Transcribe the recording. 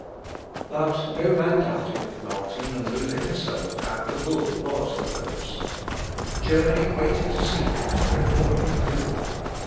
But no man doubted, not even Luther himself, that the bull was the pope's. Germany waited to see what the Reformer would do.